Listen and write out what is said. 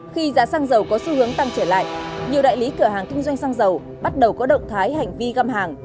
khi giá xăng dầu có xu hướng tăng trở lại nhiều đại lý cửa hàng kinh doanh xăng dầu bắt đầu có động thái hành vi găm hàng